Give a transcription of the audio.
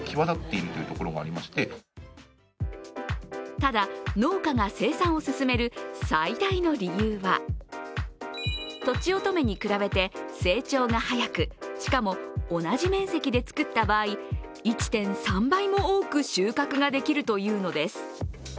ただ、農家が生産を進める最大の理由は、とちおとめに比べて成長が早く、しかも同じ面積で作った場合、１．３倍も多く収穫ができるというのです。